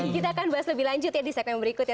kita akan bahas lebih lanjut ya di segmen berikutnya